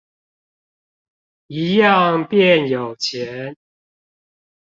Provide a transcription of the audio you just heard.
一樣變有錢